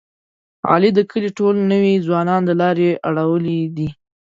علي د کلي ټول نوی ځوانان د لارې اړولي دي.